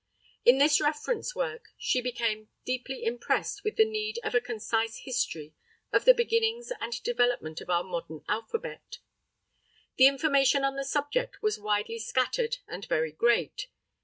In this reference work, she became deeply impressed with the need of a concise history of the beginnings and development of our modern alphabet. The information on the subject was widely scattered and very great.